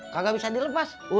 kagak bisa dilepas